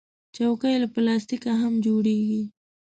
چوکۍ له پلاستیکه هم جوړیږي.